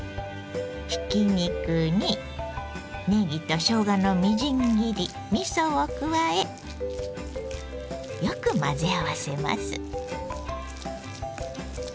ひき肉にねぎとしょうがのみじん切りみそを加えよく混ぜ合わせます。